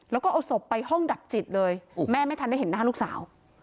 แล้วก็เอาศพไปห้องดับจิตเลยแม่ไม่ทันได้เห็นหน้าลูกสาว